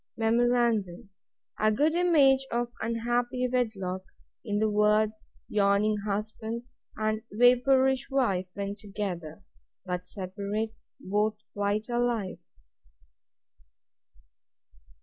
—Memorandum; A good image of unhappy wedlock, in the words YAWNING HUSBAND, and VAPOURISH WIFE, when together: But separate, both quite alive.